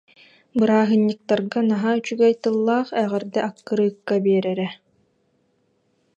Бырааһынньыктарга наһаа үчүгэй тыллаах эҕэрдэ аккырыыкка биэрэрэ